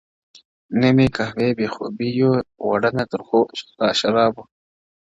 • نه مي قهوې بې خوبي يو وړه نه ترخو شرابو،